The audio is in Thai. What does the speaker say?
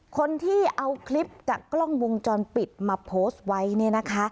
คนที่เอาคลิปจากกล้องวงจรปิดมาโพสต์ไว้เนี่ยนะคะ